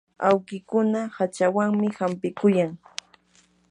awkikuna hachawanmi hampikuyan.